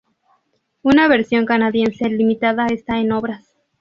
Una versión canadiense limitada está en obras.